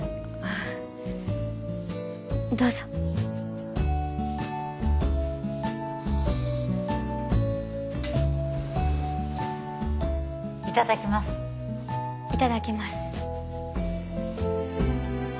あどうぞいただきますいただきます